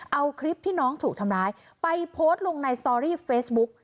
เอาคลิปที่น้องถูกทำร้ายไปโพสต์ลงในสตอรี่เฟซบุ๊ก